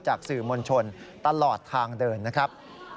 สื่อมวลชนตลอดทางเดินนะครับ